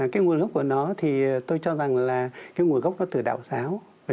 cái nguồn gốc của nó thì tôi cho rằng là cái nguồn gốc nó từ đạo giáo